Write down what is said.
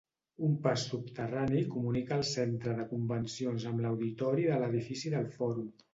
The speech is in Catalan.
Un pas subterrani comunica el Centre de Convencions amb l'Auditori de l'Edifici del Fòrum.